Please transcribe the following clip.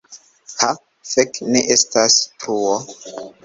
Ha fek' ne estas truo!